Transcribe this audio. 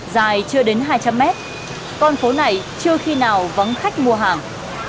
dài chưa đến hai trăm linh mét con phố này chưa khi nào vắng khách mua hàng